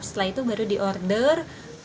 setelah itu baru di order